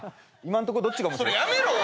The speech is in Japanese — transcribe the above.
今んとこどっちが面白い？